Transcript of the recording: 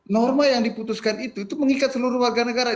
norma yang diputuskan itu itu mengikat seluruh warga negara